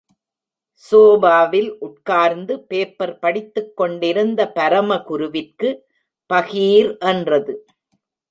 சோபாவில் உட்காாந்து பேப்பர் படித்துக் கொண்டிருந்த பரமகுருவிற்கு, பகீர் என்றது.